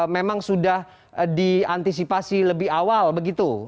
memang sudah diantisipasi lebih awal begitu